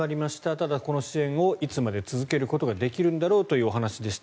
ただ、この支援をいつまで続けることができるんだろうというお話でした。